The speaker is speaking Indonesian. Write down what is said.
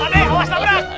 aduh pak de awas tak berang